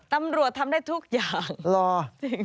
ตำรวจทำได้ทุกอย่างรอ